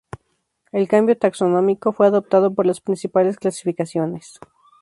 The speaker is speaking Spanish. El cambio taxonómico fue adoptado por las principales clasificaciones.